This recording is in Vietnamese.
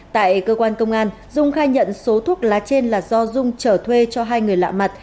tại cơ quan công an dung khai nhận số thuốc lá trên là do dung chở thuê cho hai người lạ mặt